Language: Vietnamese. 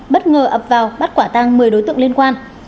bất ngờ ập vào bắt quả tăng một mươi đối tượng liên quan